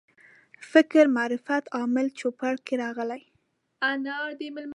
فکر معرفت عامل چوپړ کې راغلي.